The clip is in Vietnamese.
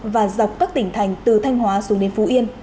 và dọc các tỉnh thành từ thanh hóa xuống đến phú yên